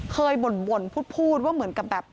บ่นพูดว่าเหมือนกับแบบ